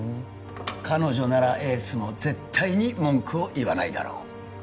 彼女ならエースも絶対に文句を言わないだろう